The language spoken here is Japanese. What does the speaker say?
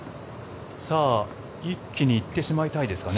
一気に行ってしまいたいですかね。